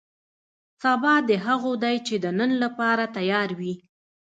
سبا دې هغو دی چې د نن لپاره تیار وي.